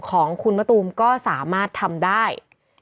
ของคุณมะตูมก็สามารถทำได้